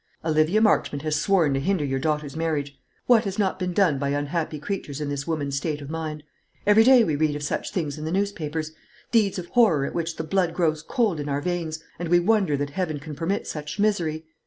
Olivia Marchmont has sworn to hinder your daughter's marriage. What has not been done by unhappy creatures in this woman's state of mind? Every day we read of such things in the newspapers deeds of horror at which the blood grows cold in our veins; and we wonder that Heaven can permit such misery.